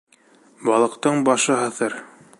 Балыҡтың башы һаҫыр